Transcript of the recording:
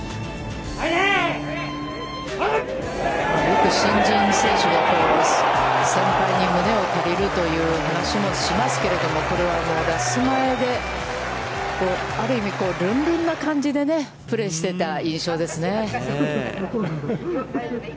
よく新人選手が、先輩に胸を借りるという話もしますけれども、これはラス前で、ある意味ルンルンな感じでプレーしていた印象ですね。